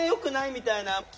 みたいな。